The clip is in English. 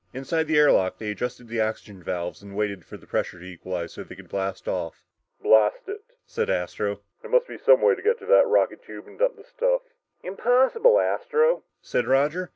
Inside the air lock, they adjusted their oxygen valves and waited for pressure to equalize so they could blast off. "Blast it," said Astro, "there must be some way to get to that rocket tube and dump that stuff!" "Impossible, Astro," said Roger.